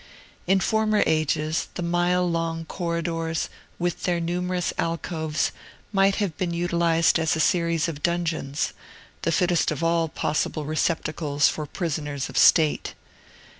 In former ages, the mile long corridors, with their numerous alcoves, might have been utilized as a series of dungeons, the fittest of all possible receptacles for prisoners of state.